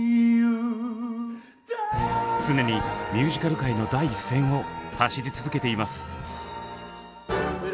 常にミュージカル界の第一線を走り続けています。